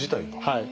はい。